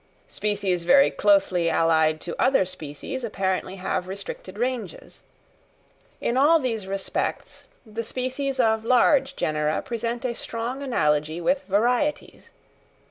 Species very closely allied to other species apparently have restricted ranges. In all these respects the species of large genera present a strong analogy with varieties.